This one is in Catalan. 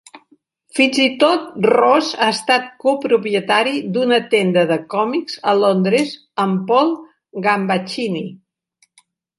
Fins i tot, Ross ha estat copropietari d'una tenda de còmics a Londres amb Paul Gambaccini.